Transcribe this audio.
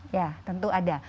ya tentu ada